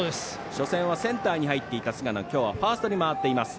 初戦はセンターに入っていた菅野が今日はファーストに回っています。